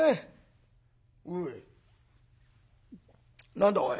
何だおい。